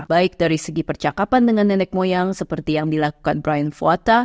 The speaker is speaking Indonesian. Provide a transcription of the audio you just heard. baik dari segi percakapan dengan nenek moyang seperti yang dilakukan brian fuata